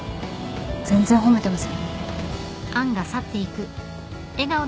全然褒めてません。